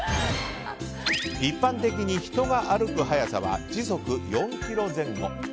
一般的に人が歩く速さは時速４キロ前後。